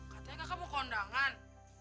katanya kakak mau ke undangan